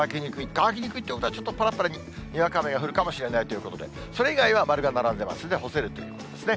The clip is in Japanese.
乾きにくいということは、ちょっとぱらぱらにわか雨が降るかもしれないということで、それ以外は丸が並んでいますので、干せるということですね。